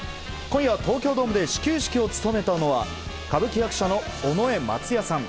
今夜、東京ドームで始球式を務めたのは歌舞伎役者の尾上松也さん。